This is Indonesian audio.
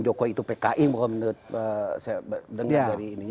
jokowi itu pki menurut saya